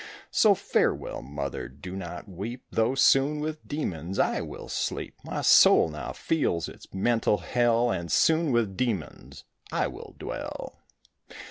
So, farewell, mother, do not weep, Though soon with demons I will sleep, My soul now feels its mental hell And soon with demons I will dwell.